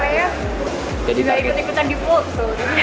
terus apa namanya juga ikut ikutan di foto